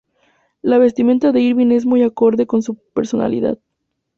La vestimenta de Irving es muy acorde con su personalidad.